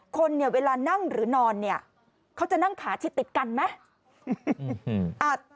คนเวลานั่งหรือนอนเขาจะนั่งขาชีติดกันไหม